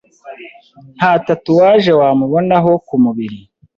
Nta tatuwaje wamubonaho ku mubiri